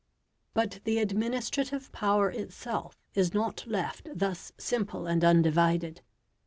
But the administrative power itself is not left thus simple and undivided.